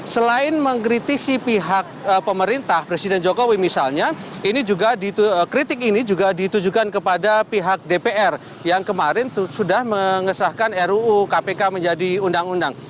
selain mengkritisi pihak pemerintah presiden jokowi misalnya ini juga kritik ini juga ditujukan kepada pihak dpr yang kemarin sudah mengesahkan ruu kpk menjadi undang undang